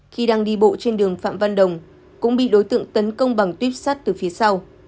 khi đang đi bộ trên đường phạm văn đồng cũng bị đối tượng tấn công bằng tuyếp sắt từ phía sau